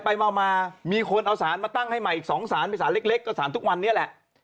ไปมามีคนเอาสารมาตั้งให้ใหม่อีก๒สารเป็นสารเล็กก็สารทุกวันนี้แหละ